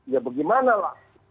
ya bagaimana lah